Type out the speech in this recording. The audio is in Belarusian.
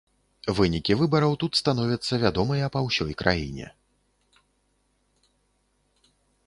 Вынікі выбараў тут становяцца вядомыя па ўсёй краіне.